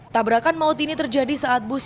tabrakan maut ini terjadi saat bus